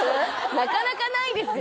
なかなかないですよ